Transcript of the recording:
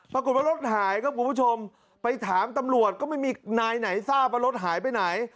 ปรากฏว่ารถหายครับคุณผู้ชมไปถามตำรวจก็ไม่มีนายไหนทราบว่ารถหายไปไหน